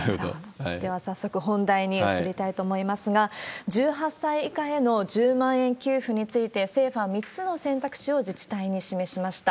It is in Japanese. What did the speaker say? では、早速本題に移りたいと思いますが、１８歳以下への１０万円給付について、政府は３つの選択肢を自治体に示しました。